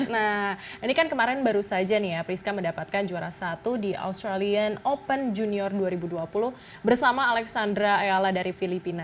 nah ini kan kemarin baru saja nih ya priska mendapatkan juara satu di australian open junior dua ribu dua puluh bersama alexandra ayala dari filipina